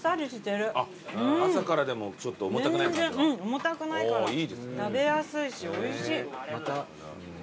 重たくないから食べやすいしおいしい。